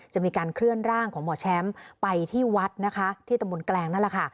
จะมีการเคลื่อนร่างของหมอแชมป์ไปที่วัดนะคะที่ตำบลแกลงนั่นแหละค่ะ